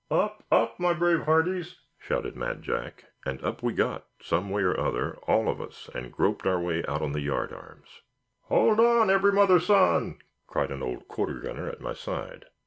"Up, up, my brave hearties!" shouted Mad Jack; and up we got, some way or other, all of us, and groped our way out on the yard arms. "Hold on, every mother's son!" cried an old quarter gunner at my side.